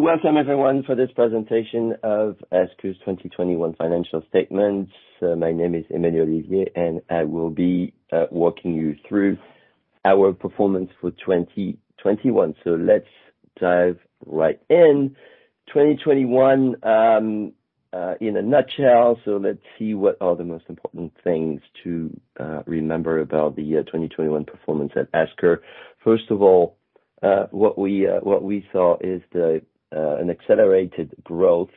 Welcome everyone for this presentation of Esker's 2021 financial statements. My name is Emmanuel Olivier, and I will be walking you through our performance for 2021. Let's dive right in. 2021 in a nutshell. Let's see what are the most important things to remember about the year 2021 performance at Esker. First of all, what we saw is an accelerated growth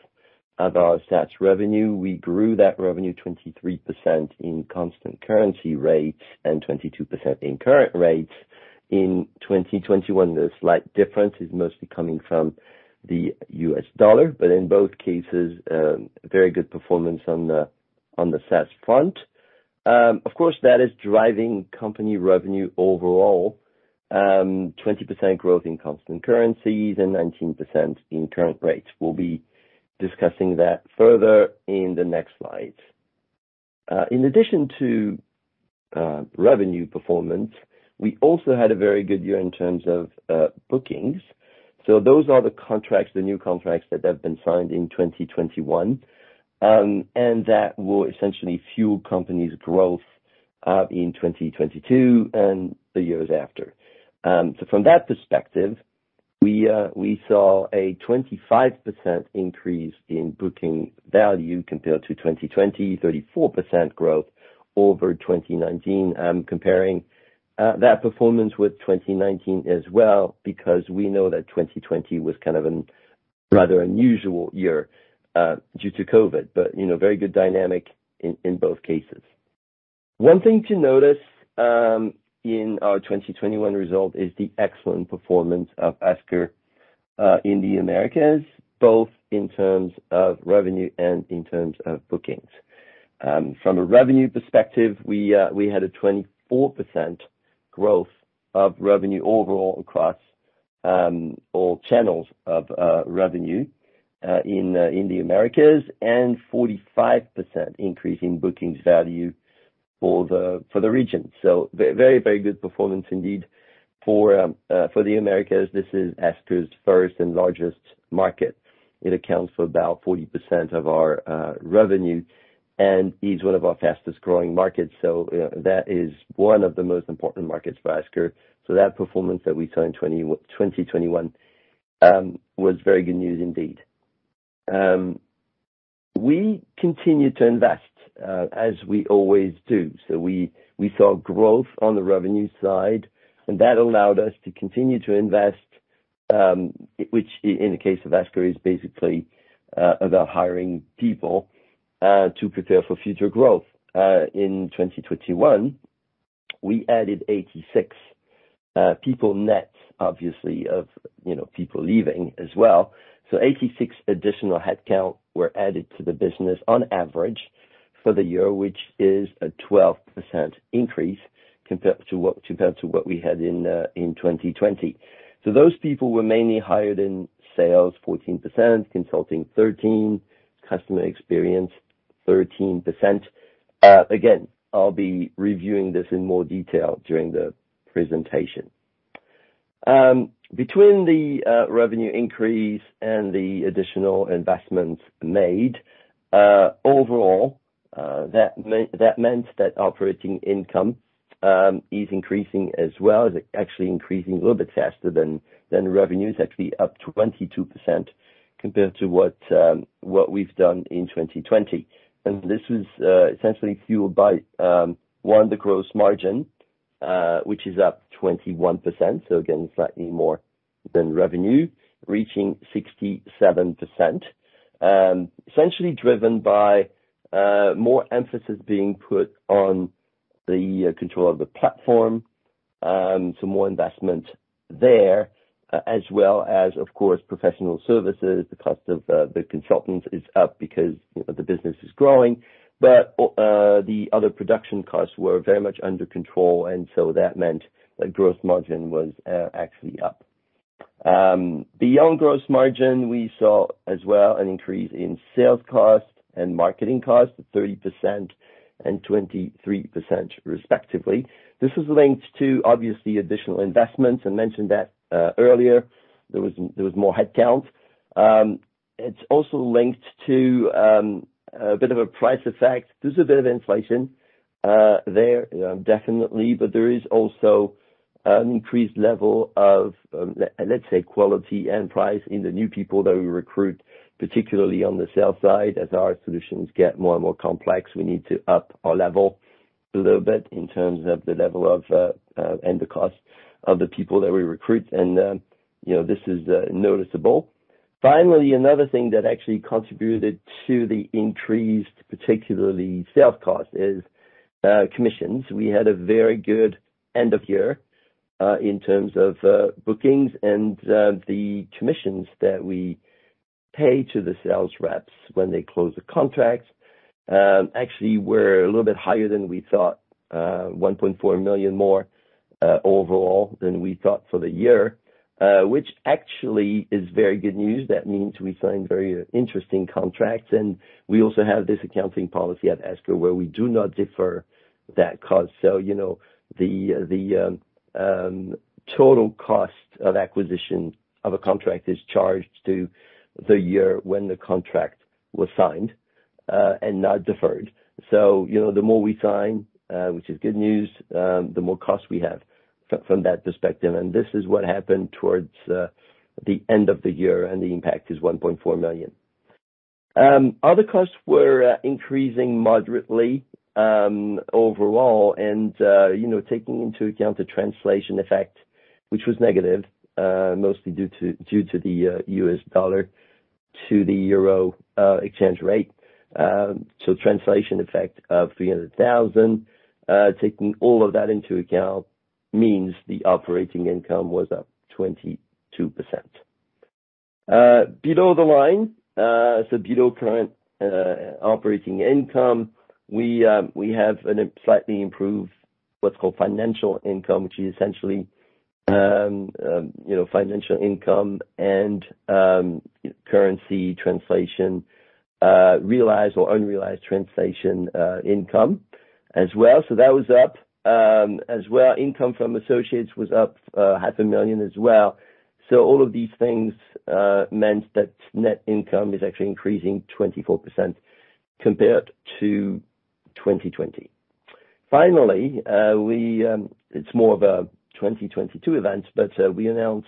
of our SaaS revenue. We grew that revenue 23% in constant currency rates and 22% in current rates. In 2021, the slight difference is mostly coming from the U.S. dollar, but in both cases, very good performance on the SaaS front. Of course, that is driving company revenue overall, 20% growth in constant currencies and 19% in current rates. We'll be discussing that further in the next slides. In addition to revenue performance, we also had a very good year in terms of bookings. Those are the contracts, the new contracts that have been signed in 2021, and that will essentially fuel company's growth in 2022 and the years after. From that perspective, we saw a 25% increase in booking value compared to 2020, 34% growth over 2019. I'm comparing that performance with 2019 as well because we know that 2020 was kind of a rather unusual year due to COVID, but you know, very good dynamic in both cases. One thing to notice in our 2021 result is the excellent performance of Esker in the Americas, both in terms of revenue and in terms of bookings. From a revenue perspective, we had a 24% growth of revenue overall across all channels of revenue in the Americas, and 45% increase in bookings value for the region. Very good performance indeed. For the Americas, this is Esker's first and largest market. It accounts for about 40% of our revenue and is one of our fastest-growing markets. That is one of the most important markets for Esker. That performance that we saw in 2021 was very good news indeed. We continue to invest as we always do. We saw growth on the revenue side, and that allowed us to continue to invest, which in the case of Esker is basically about hiring people to prepare for future growth. In 2021, we added 86 people net, obviously, of, you know, people leaving as well. 86 additional headcount were added to the business on average for the year, which is a 12% increase compared to what we had in 2020. Those people were mainly hired in sales, 14%, consulting, 13%, customer experience, 13%. Again, I'll be reviewing this in more detail during the presentation. Between the revenue increase and the additional investments made, overall, that meant that operating income is increasing as well. It's actually increasing a little bit faster than revenues, actually up 22% compared to what we've done in 2020. This is essentially fueled by the gross margin, which is up 21%, so again, slightly more than revenue, reaching 67%. Essentially driven by more emphasis being put on the control of the platform, so more investment there, as well as, of course, professional services. The cost of the consultants is up because the business is growing. The other production costs were very much under control, and so that meant that gross margin was actually up. Beyond gross margin, we saw as well an increase in sales cost and marketing cost of 30% and 23%, respectively. This was linked to obviously additional investments. I mentioned that earlier. There was more headcount. It's also linked to a bit of a price effect. There's a bit of inflation there definitely, but there is also an increased level of let's say, quality and price in the new people that we recruit, particularly on the sales side. As our solutions get more and more complex, we need to up our level a little bit in terms of the level of and the cost of the people that we recruit. You know, this is noticeable. Finally, another thing that actually contributed to the increased, particularly sales cost is commissions. We had a very good end of year in terms of bookings and the commissions that we pay to the sales reps when they close the contract. Actually we're a little bit higher than we thought, 1.4 million more overall than we thought for the year, which actually is very good news. That means we signed very interesting contracts, and we also have this accounting policy at Esker where we do not defer that cost. You know, the total cost of acquisition of a contract is charged to the year when the contract was signed, and not deferred. You know, the more we sign, which is good news, the more costs we have from that perspective. This is what happened towards the end of the year, and the impact is 1.4 million. Other costs were increasing moderately overall and, you know, taking into account the translation effect, which was negative, mostly due to the U.S. dollar to the euro exchange rate. Translation effect of 300,000. Taking all of that into account means the operating income was up 22%. Below the line, below current operating income, we have a slightly improved what's called financial income, which is essentially, you know, financial income and currency translation, realized or unrealized translation, income as well. That was up as well. Income from associates was up EUR 0.5 millionas well. All of these things meant that net income is actually increasing 24% compared to 2020. Finally, we... It's more of a 2022 event, but we announced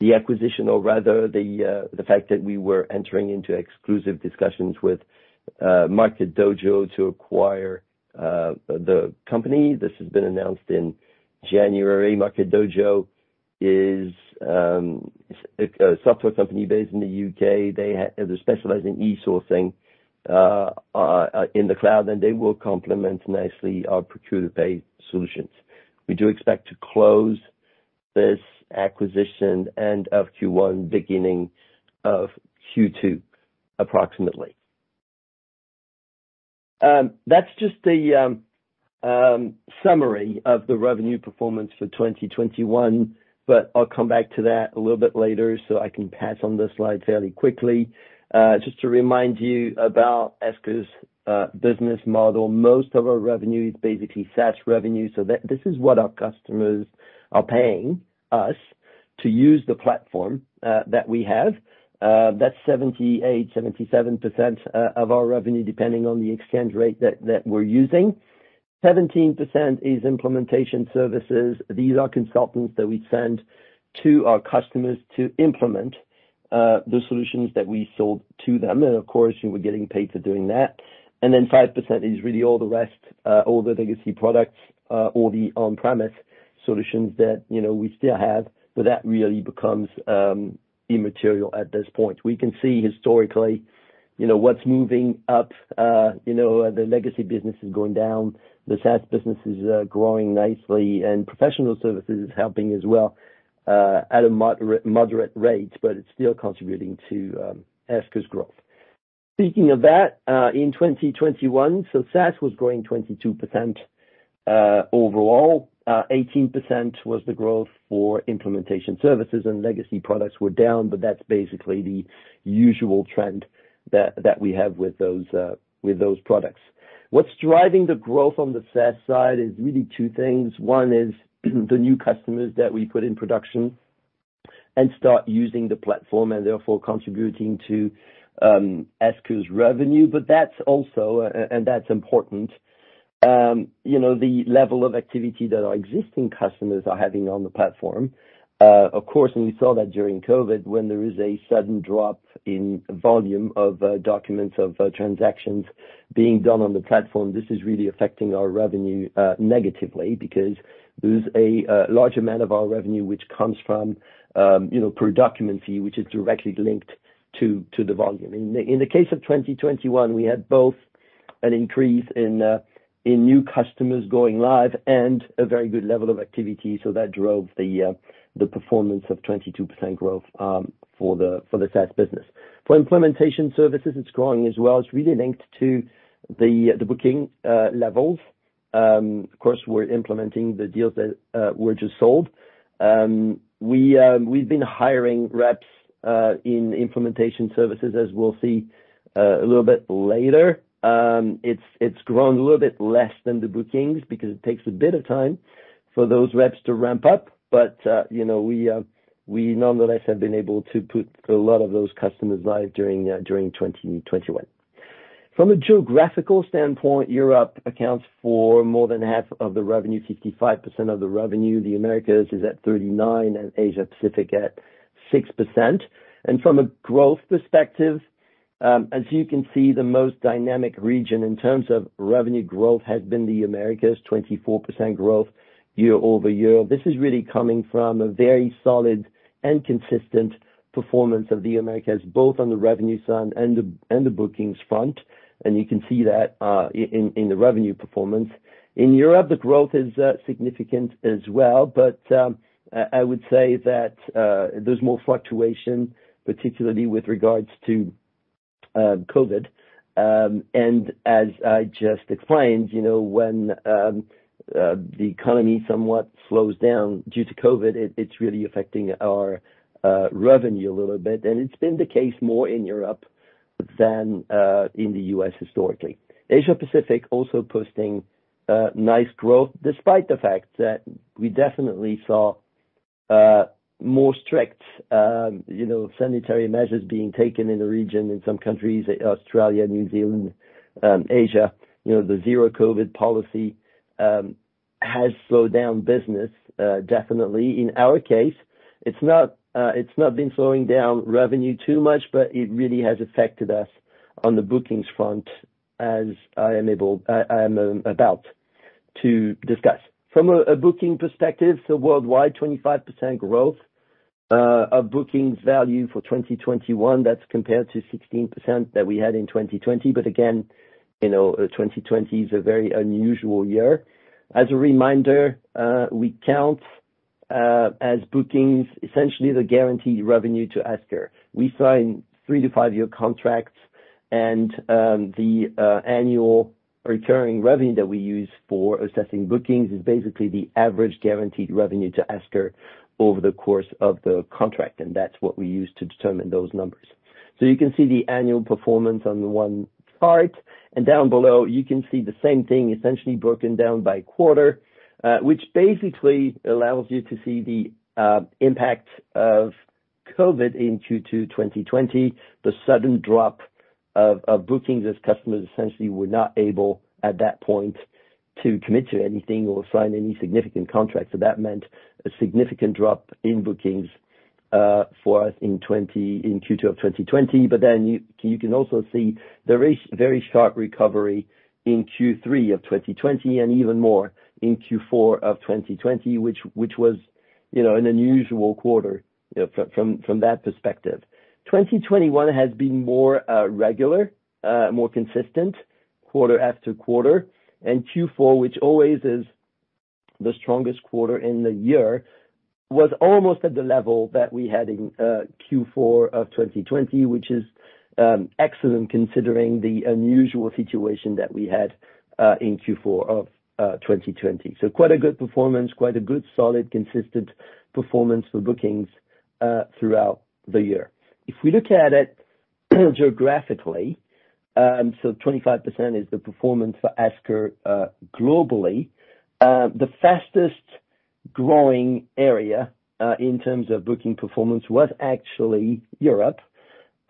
the acquisition or rather the fact that we were entering into exclusive discussions with Market Dojo to acquire the company. This has been announced in January. Market Dojo is a software company based in the U.K. They specialize in e-sourcing in the cloud, and they will complement nicely our procure-to-pay solutions. We do expect to close this acquisition end of Q1, beginning of Q2, approximately. That's just the summary of the revenue performance for 2021, but I'll come back to that a little bit later, so I can pass on this slide fairly quickly. Just to remind you about Esker's business model. Most of our revenue is basically SaaS revenue, so this is what our customers are paying us to use the platform that we have. That's 78%-77% of our revenue, depending on the exchange rate that we're using. 17% is implementation services. These are consultants that we send to our customers to implement the solutions that we sold to them. Of course, we're getting paid for doing that. 5% is really all the rest, all the legacy products, all the on-premise solutions that you know we still have, but that really becomes immaterial at this point. We can see historically, you know, what's moving up, the legacy business is going down, the SaaS business is growing nicely, and professional services is helping as well at a moderate rate, but it's still contributing to Esker's growth. Speaking of that, in 2021, SaaS was growing 22% overall. 18% was the growth for implementation services and legacy products were down, but that's basically the usual trend that we have with those products. What's driving the growth on the SaaS side is really two things. One is the new customers that we put in production and start using the platform, and therefore contributing to Esker's revenue. That's also and that's important, you know, the level of activity that our existing customers are having on the platform. Of course, we saw that during COVID, when there is a sudden drop in volume of documents, transactions being done on the platform, this is really affecting our revenue negatively because there's a large amount of our revenue which comes from, you know, per document fee, which is directly linked to the volume. In the case of 2021, we had both an increase in new customers going live and a very good level of activity. That drove the performance of 22% growth for the SaaS business. For implementation services, it's growing as well. It's really linked to the booking levels. We're implementing the deals that were just sold. We've been hiring reps in implementation services, as we'll see a little bit later. It's grown a little bit less than the bookings because it takes a bit of time for those reps to ramp up. You know, we nonetheless have been able to put a lot of those customers live during 2021. From a geographical standpoint, Europe accounts for more than half of the revenue, 55% of the revenue. The Americas is at 39%, and Asia Pacific at 6%. From a growth perspective, as you can see, the most dynamic region in terms of revenue growth has been the Americas, 24% growth year-over-year. This is really coming from a very solid and consistent performance of the Americas, both on the revenue side and the bookings front. You can see that in the revenue performance. In Europe, the growth is significant as well, but I would say that there's more fluctuation, particularly with regards to COVID. As I just explained, you know, when the economy somewhat slows down due to COVID, it's really affecting our revenue a little bit, and it's been the case more in Europe than in the U.S. historically. Asia-Pacific also posting nice growth despite the fact that we definitely saw more strict, you know, sanitary measures being taken in the region in some countries, Australia, New Zealand, Asia. You know, the zero COVID policy has slowed down business definitely. In our case, it's not been slowing down revenue too much, but it really has affected us on the bookings front as I'm about to discuss. From a booking perspective, so worldwide 25% growth of bookings value for 2021. That's compared to 16% that we had in 2020. Again, you know, 2020 is a very unusual year. As a reminder, we count as bookings essentially the guaranteed revenue to Esker. We sign three to five-year contracts and the annual returning revenue that we use for assessing bookings is basically the average guaranteed revenue to Esker over the course of the contract, and that's what we use to determine those numbers. You can see the annual performance on the one chart, and down below you can see the same thing essentially broken down by quarter, which basically allows you to see the impact of COVID in Q2 2020, the sudden drop of bookings as customers essentially were not able, at that point, to commit to anything or sign any significant contracts. That meant a significant drop in bookings for us in Q2 of 2020. You can also see the very sharp recovery in Q3 of 2020 and even more in Q4 of 2020, which was, you know, an unusual quarter, you know, from that perspective. 2021 has been more regular, more consistent quarter after quarter. Q4, which always is the strongest quarter in the year, was almost at the level that we had in Q4 of 2020, which is excellent considering the unusual situation that we had in Q4 of 2020. Quite a good performance, quite a good, solid, consistent performance for bookings throughout the year. If we look at it geographically, 25% is the performance for Esker globally. The fastest growing area in terms of booking performance was actually Europe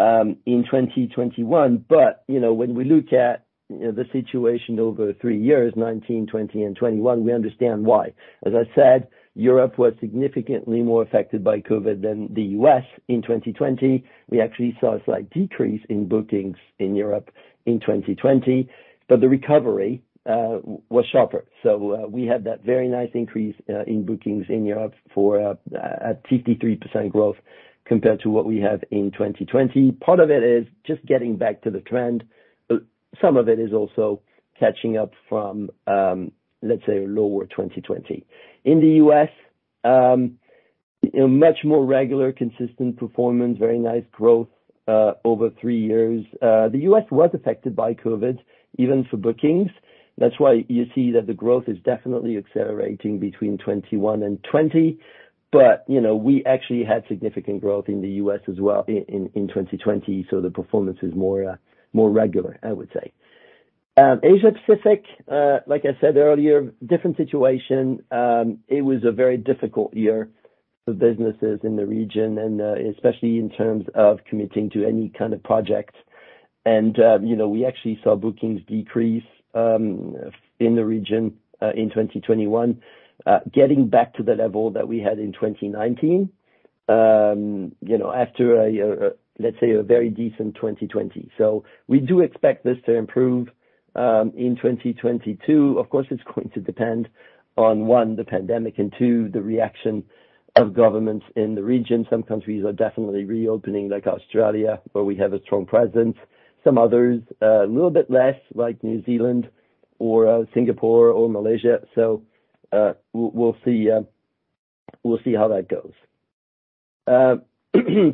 in 2021. You know, when we look at you know, the situation over three years, 2019, 2020 and 2021, we understand why. As I said, Europe was significantly more affected by COVID than the U.S. in 2020. We actually saw a slight decrease in bookings in Europe in 2020, but the recovery was sharper. We had that very nice increase in bookings in Europe for a 53% growth compared to what we have in 2020. Part of it is just getting back to the trend, but some of it is also catching up from, let's say, a lower 2020. In the U.S., a much more regular, consistent performance, very nice growth over three years. The U.S. was affected by COVID even for bookings. That's why you see that the growth is definitely accelerating between 2021 and 2020. But, you know, we actually had significant growth in the U.S. as well in 2020, so the performance is more regular, I would say. Asia-Pacific, like I said earlier, different situation. It was a very difficult year for businesses in the region and especially in terms of committing to any kind of project. You know, we actually saw bookings decrease in the region in 2021, getting back to the level that we had in 2019, you know, after, let's say, a very decent 2020. We do expect this to improve in 2022. Of course, it's going to depend on, one, the pandemic, and two, the reaction of governments in the region. Some countries are definitely reopening, like Australia, where we have a strong presence. Some others, a little bit less like New Zealand or Singapore or Malaysia. We'll see how that goes.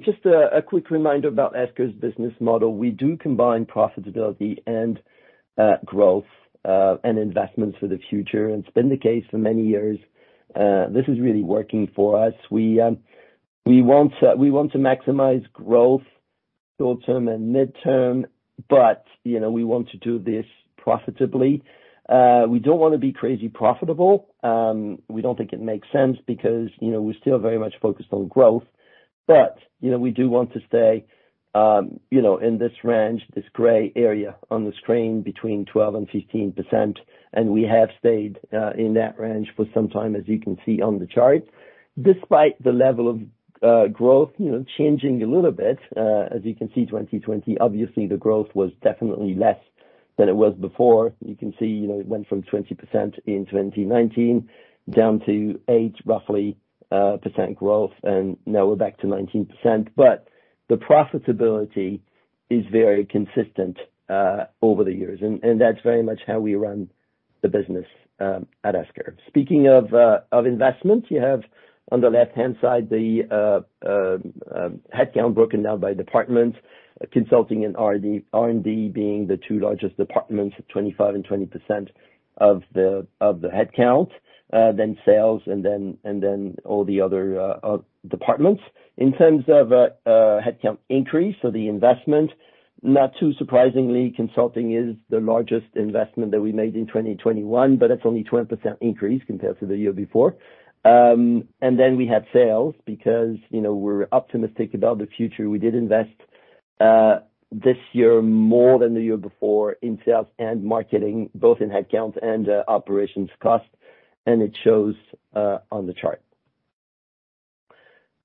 Just a quick reminder about Esker's business model. We do combine profitability and growth and investment for the future. It's been the case for many years. This is really working for us. We want to maximize growth short-term and midterm, but you know, we want to do this profitably. We don't wanna be crazy profitable. We don't think it makes sense because you know, we're still very much focused on growth. You know, we do want to stay you know, in this range, this gray area on the screen between 12%-15%. We have stayed in that range for some time, as you can see on the chart, despite the level of growth you know, changing a little bit, as you can see, 2020, obviously the growth was definitely less than it was before. You can see, you know, it went from 20% in 2019 down to roughly 8% growth, and now we're back to 19%. The profitability is very consistent over the years. That's very much how we run the business at Esker. Speaking of investment, you have on the left-hand side the headcount broken down by department, Consulting and R&D being the two largest departments, at 25% and 20% of the headcount, then sales and then all the other departments. In terms of headcount increase, so the investment, not too surprisingly, consulting is the largest investment that we made in 2021, but that's only 12% increase compared to the year before. We had sales because, you know, we're optimistic about the future. We did invest this year more than the year before in sales and marketing, both in headcount and operations costs, and it shows on the chart.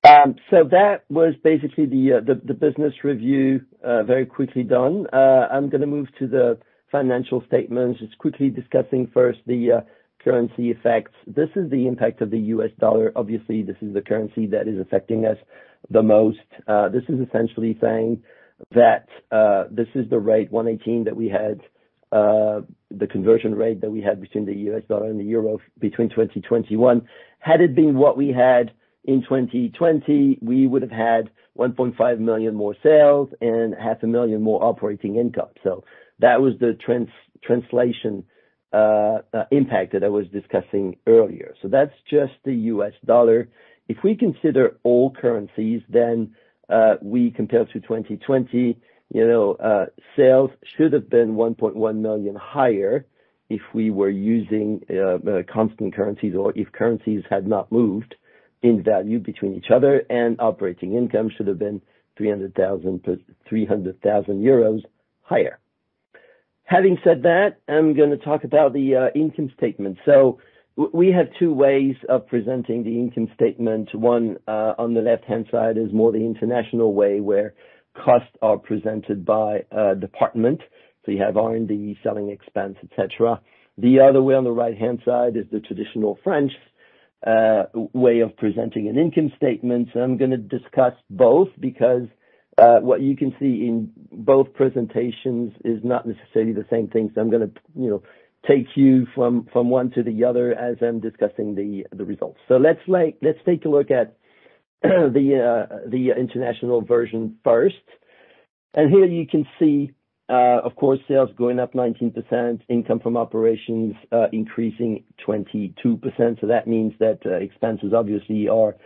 That was basically the business review very quickly done. I'm gonna move to the financial statements. Just quickly discussing first the currency effects. This is the impact of the U.S. dollar. Obviously, this is the currency that is affecting us the most. This is essentially saying that this is the rate 1.18 that we had, the conversion rate that we had between the U.S. dollar and the euro between 2021. Had it been what we had in 2020, we would have had 1.5 million more sales and 0.5 million more operating income. That was the translation impact that I was discussing earlier. That's just the U.S. dollar. If we consider all currencies, then we compare to 2020, you know, sales should have been 1.1 million higher if we were using constant currencies or if currencies had not moved in value between each other, and operating income should have been 300,000 euros higher. Having said that, I'm gonna talk about the income statement. We have two ways of presenting the income statement. One, on the left-hand side is more the international way where costs are presented by a department. You have R&D, selling expense, et cetera. The other way, on the right-hand side, is the traditional French way of presenting an income statement. I'm gonna discuss both because what you can see in both presentations is not necessarily the same thing. I'm gonna, you know, take you from one to the other as I'm discussing the results. Let's take a look at the international version first. Here you can see, of course, sales going up 19%, income from operations increasing 22%. That means that expenses obviously are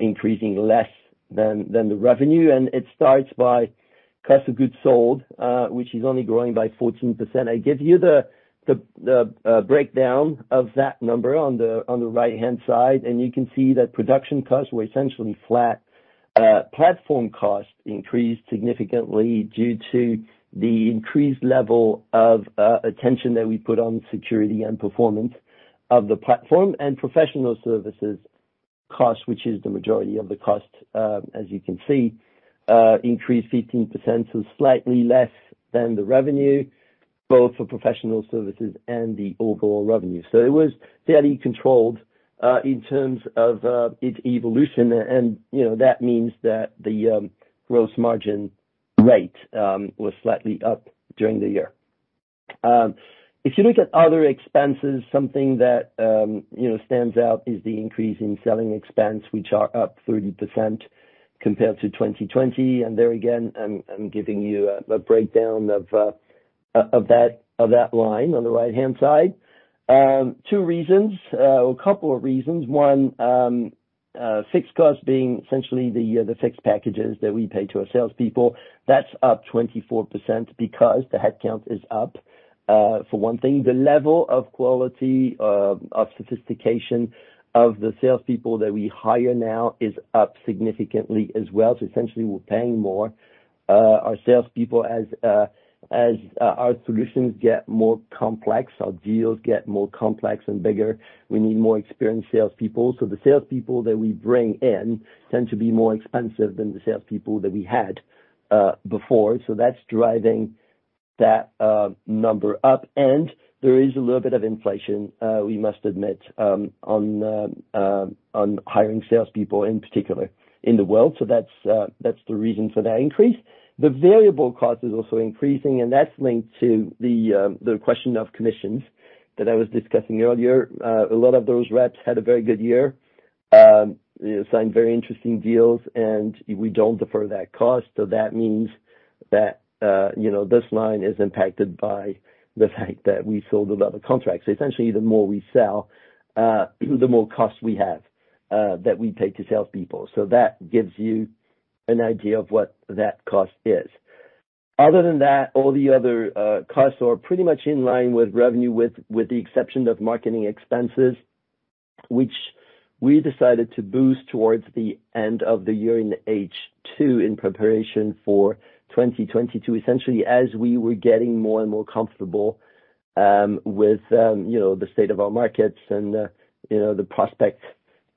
increasing less than the revenue. It starts by cost of goods sold, which is only growing by 14%. I give you the breakdown of that number on the right-hand side, and you can see that production costs were essentially flat. Platform costs increased significantly due to the increased level of attention that we put on security and performance of the platform. Professional services costs, which is the majority of the cost, as you can see, increased 15%, so slightly less than the revenue, both for professional services and the overall revenue. It was fairly controlled in terms of its evolution. You know, that means that the gross margin rate was slightly up during the year. If you look at other expenses, something that you know stands out is the increase in selling expense, which are up 30% compared to 2020. There again, I'm giving you a breakdown of that line on the right-hand side. Two reasons or a couple of reasons. One, fixed costs being essentially the fixed packages that we pay to our salespeople. That's up 24% because the headcount is up. For one thing, the level of quality and sophistication of the salespeople that we hire now is up significantly as well. Essentially, we're paying more for our salespeople. As our solutions get more complex, our deals get more complex and bigger, we need more experienced salespeople. The salespeople that we bring in tend to be more expensive than the salespeople that we had before. That's driving that number up. There is a little bit of inflation, we must admit, on hiring salespeople, in particular in the world. That's the reason for that increase. The variable cost is also increasing, and that's linked to the question of commissions that I was discussing earlier. A lot of those reps had a very good year, signed very interesting deals, and we don't defer that cost. That means that, you know, this line is impacted by the fact that we sold a lot of contracts. Essentially, the more we sell, the more cost we have that we pay to salespeople. That gives you an idea of what that cost is. Other than that, all the other costs are pretty much in line with revenue with the exception of marketing expenses, which we decided to boost towards the end of the year in H2 in preparation for 2022. Essentially, as we were getting more and more comfortable, you know, with the state of our markets and, you know, the prospects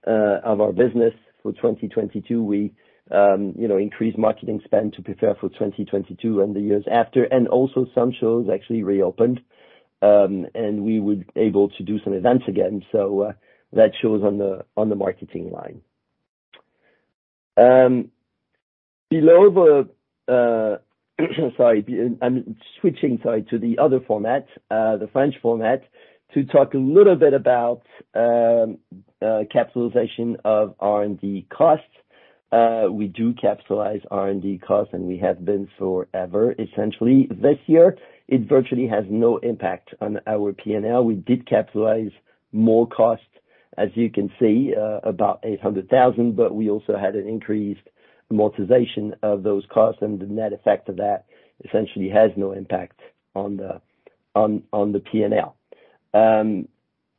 of our business for 2022, we, you know, increased marketing spend to prepare for 2022 and the years after. Also some shows actually reopened, and we were able to do some events again. That shows on the marketing line. Sorry, I'm switching to the other format, the French format, to talk a little bit about capitalization of R&D costs. We do capitalize R&D costs, and we have been forever, essentially. This year, it virtually has no impact on our P&L. We did capitalize more costs, as you can see, about 800,000, but we also had an increased amortization of those costs and the net effect of that essentially has no impact on the P&L.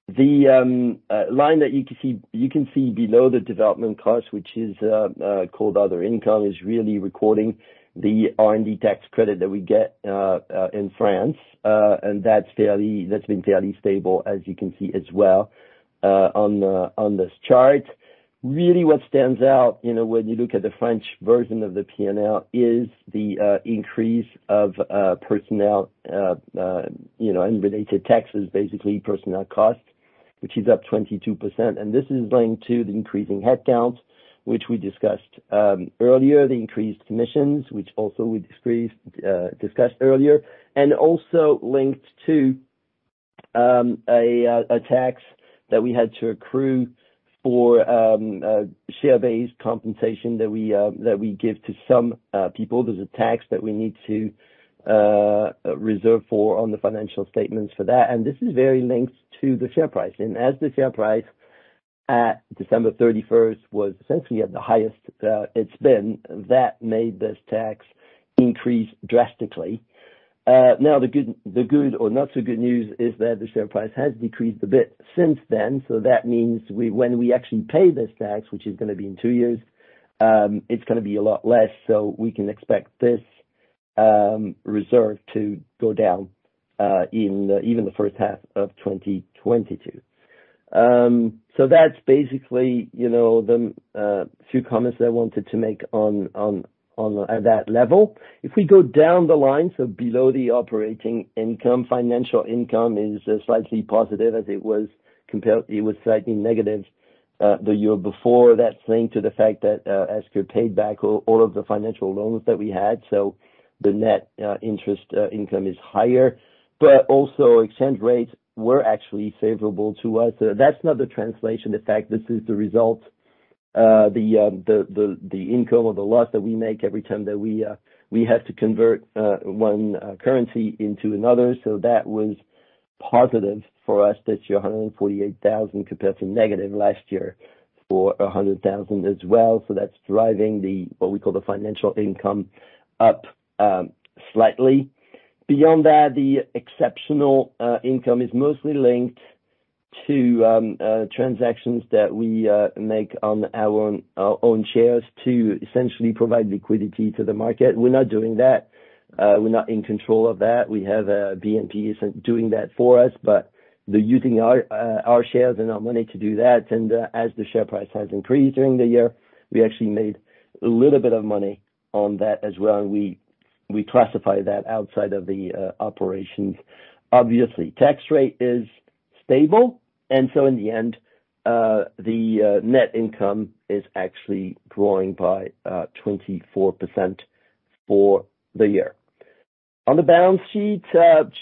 The line that you can see below the development costs, which is called other income, is really recording the R&D tax credit that we get in France. That's been fairly stable as you can see as well, on this chart. Really what stands out, you know, when you look at the French version of the P&L is the increase of personnel, you know, and related taxes, basically personnel costs, which is up 22%. This is linked to the increasing headcount, which we discussed earlier, the increased commissions, which we also discussed earlier, and also linked to a tax that we had to accrue for share-based compensation that we give to some people. There's a tax that we need to reserve for on the financial statements for that, and this is very linked to the share price. As the share price at December 31 was essentially at the highest it's been, that made this tax increase drastically. Now the good or not so good news is that the share price has decreased a bit since then. That means when we actually pay this tax, which is gonna be in two years, it's gonna be a lot less, so we can expect this reserve to go down in even the first half of 2022. That's basically, you know, the few comments I wanted to make on at that level. If we go down the line, below the operating income, financial income is slightly positive as it was compared. It was slightly negative the year before. That's linked to the fact that Esker paid back all of the financial loans that we had. The net interest income is higher, but also exchange rates were actually favorable to us. That's not the translation effect. This is the result. The income or the loss that we make every time that we have to convert one currency into another. That was positive for us. That's 148,000 compared to -EUR 100,000 last year as well. That's driving the, what we call the financial income up slightly. Beyond that, the exceptional income is mostly linked to transactions that we make on our own shares to essentially provide liquidity to the market. We're not doing that. We're not in control of that. We have BNP Paribas doing that for us. But they're using our shares and our money to do that. As the share price has increased during the year, we actually made a little bit of money on that as well. We classify that outside of the operations. Obviously. Tax rate is stable, and so in the end, the net income is actually growing by 24% for the year. On the balance sheet,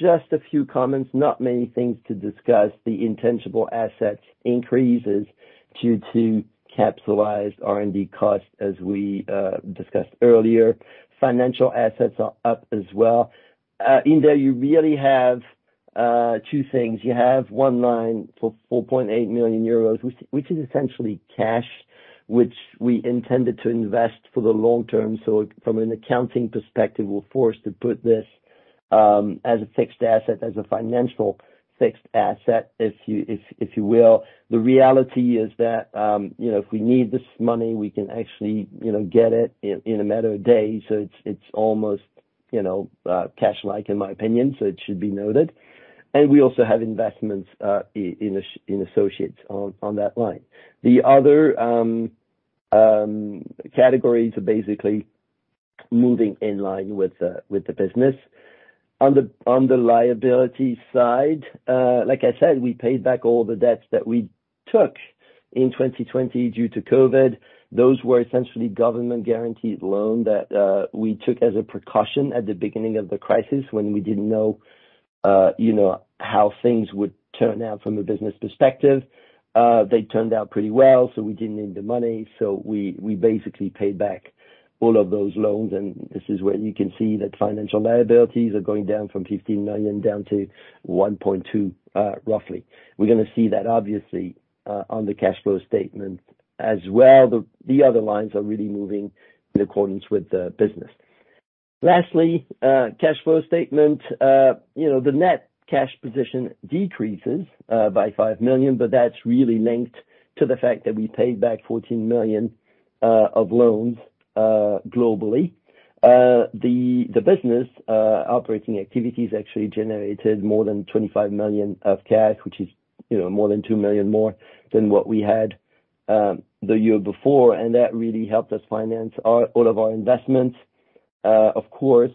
just a few comments, not many things to discuss. The intangible assets increases due to capitalized R&D costs, as we discussed earlier. Financial assets are up as well. In there, you really have two things. You have one line for 4.8 million euros, which is essentially cash, which we intended to invest for the long term. From an accounting perspective, we're forced to put this as a fixed asset, as a financial fixed asset, if you will. The reality is that, you know, if we need this money, we can actually, you know, get it in a matter of days. It's almost, you know, cash-like in my opinion, so it should be noted. We also have investments in associates on that line. The other categories are basically moving in line with the business. On the liability side, like I said, we paid back all the debts that we took in 2020 due to COVID. Those were essentially government-guaranteed loans that we took as a precaution at the beginning of the crisis when we didn't know, you know, how things would turn out from a business perspective. They turned out pretty well, so we didn't need the money. We basically paid back all of those loans, and this is where you can see that financial liabilities are going down from 15 million down to 1.2 million, roughly. We're gonna see that obviously on the cash flow statement as well. The other lines are really moving in accordance with the business. Lastly, cash flow statement. You know, the net cash position decreases by 5 million, but that's really linked to the fact that we paid back 14 million of loans globally. The business operating activities actually generated more than 25 million of cash, which is, you know, more than 2 million more than what we had the year before. That really helped us finance all of our investments. Of course,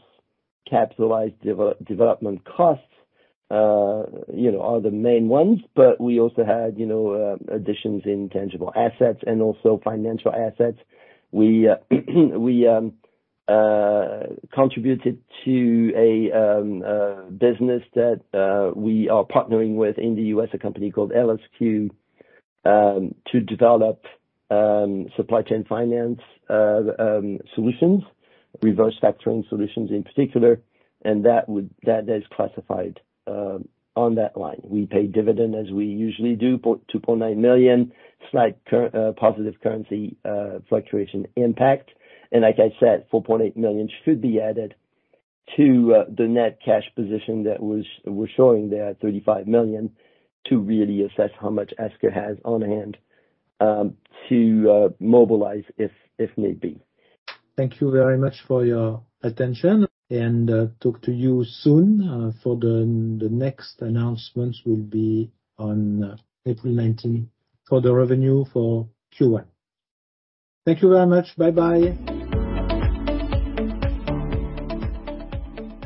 capitalized development costs, you know, are the main ones, but we also had, you know, additions in tangible assets and also financial assets. We contributed to a business that we are partnering with in the U.S., a company called LSQ, to develop supply chain finance solutions, reverse factoring solutions in particular. That is classified on that line. We paid dividend as we usually do, 2.9 million. Slight positive currency fluctuation impact. Like I said, 4.8 million should be added to the net cash position that we're showing there, 35 million, to really assess how much Esker has on hand to mobilize if need be. Thank you very much for your attention, and talk to you soon. The next announcements will be on April nineteenth for the revenue for Q1. Thank you very much. Bye-bye.